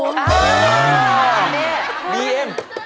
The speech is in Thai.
ดีเหมือนกับนี่